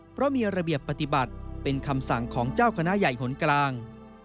เพราะมีระเบียบปฏิบัติเป็นคำสั่งของเจ้าคณะใหญ่หนกลาง